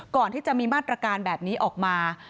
ก่อนที่จะมีมาตรการแบบนี้ออกมา